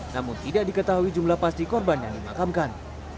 namun tidak diketahui jumlah pasti korban yang dimakamkan